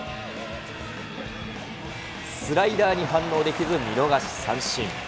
スライダーに反応できず、見逃し三振。